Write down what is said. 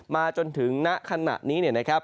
มาจนถึงณขณะนี้นะครับ